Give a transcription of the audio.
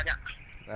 dạ dạ dạ dạ